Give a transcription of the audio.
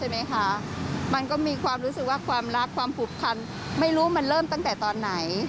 มันรู้สึกแบบเอ๊ะไปไหนนะ